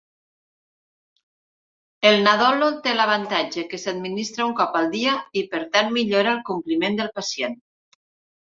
El nadolol té l'avantatge que s'administra un cop al dia i, per tant, millora el compliment del pacient.